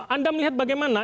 anda melihat bagaimana